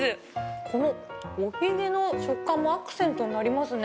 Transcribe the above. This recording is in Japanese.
このおひげの食感もあくせんとになりますね。